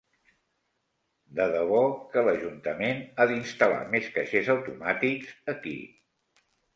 De debò que l'ajuntament ha d'instal·lar més caixers automàtics aquí.